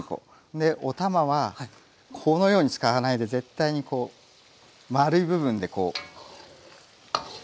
でお玉はこのように使わないで絶対にこう丸い部分でこう。